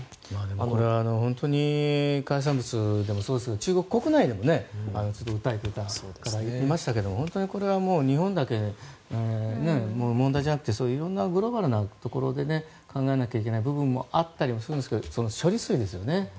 これは本当に海産物でもそうですけど中国国内でも強く訴えていた方がいましたけど本当に、これは日本だけの問題じゃなくていろんなグローバルなところで考えないといけないところもあるんですけど処理水ですよね。